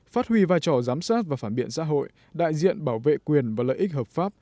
phát huy vai trò giám sát và phản biện xã hội đại diện bảo vệ quyền và lợi ích hợp pháp